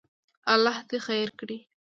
الله دې خیر کړي.